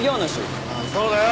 そうだよ。